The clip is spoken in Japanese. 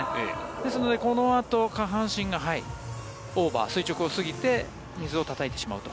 ですから、このあと下半身がオーバー、垂直を過ぎて水をたたいてしまうと。